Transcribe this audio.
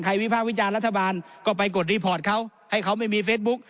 วิภาควิจารณ์รัฐบาลก็ไปกดรีพอร์ตเขาให้เขาไม่มีเฟซบุ๊ก